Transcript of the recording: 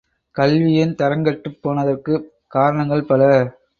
கல்வியின் தரங்கெட்டுப் போனதற்குக் காரணங்கள் பல.